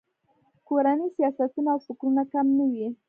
کورني سیاستونه او فکرونه کم نه وي.